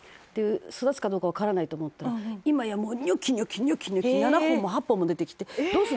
育つかどうかわからないと思ったら今やもうニョキニョキニョキニョキ７本も８本も出てきてどうするの？